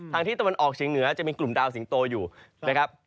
ที่ตะวันออกเฉียงเหนือจะมีกลุ่มดาวสิงโตอยู่นะครับ